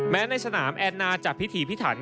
ในสนามแอนนาจะพิถีพิถัน